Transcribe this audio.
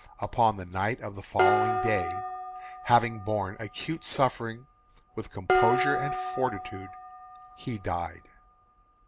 Upon the night of the following day, having borne acute suffering with composure and fortitude, he died.